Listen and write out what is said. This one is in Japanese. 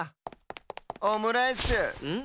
オムライスん？